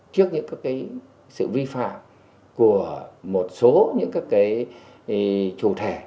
trước những cái sự vi phạm của một số những các cái chủ thể